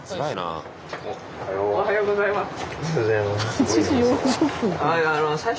おはようございます。